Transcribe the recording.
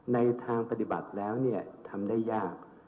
ในทางปฏิบัติแล้วทำได้ยาก